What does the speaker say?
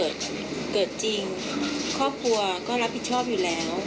เกิดจริงครอบครัวก็รับผิดชอบอยู่แล้ว